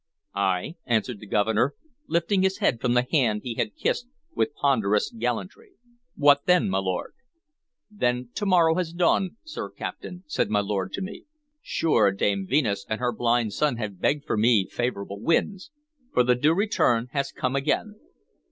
"Ay," answered the Governor, lifting his head from the hand he had kissed with ponderous gallantry. "What then, my lord?" "Then to morrow has dawned, sir captain," said my lord to me. "Sure, Dame Venus and her blind son have begged for me favorable winds; for the Due Return has come again."